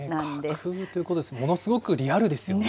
架空ということですが、ものすごくリアルですよね。